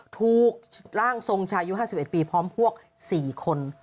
ถูกร่างทรงชายุ๕๑ปีพร้อมพวก๔คน